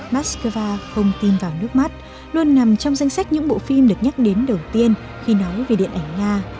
moscow không tin vào nước mắt luôn nằm trong danh sách những bộ phim được nhắc đến đầu tiên khi nói về điện ảnh nga